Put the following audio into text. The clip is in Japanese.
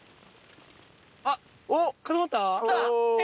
あっ。